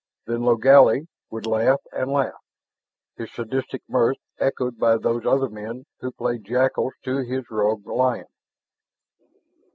Then Logally would laugh and laugh, his sadistic mirth echoed by those other men who played jackals to his rogue lion.